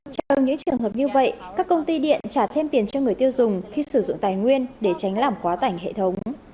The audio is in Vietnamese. trong những trường hợp như vậy các công ty điện trả thêm tiền cho người tiêu dùng khi sử dụng tài nguyên để tránh làm quá tải hệ thống